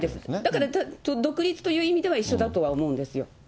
だから独立という意味では一緒だとは思うんですよ。